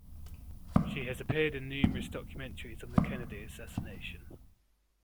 She has appeared in numerous documentaries on the Kennedy assassination.